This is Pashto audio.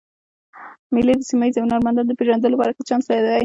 مېلې د سیمه ییزو هنرمندانو د پېژندلو له پاره ښه چانس دئ.